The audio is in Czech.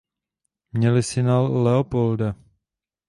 Měli syna Leopolda.